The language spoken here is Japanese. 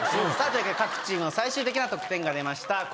さぁ各チームの最終的な得点が出ました。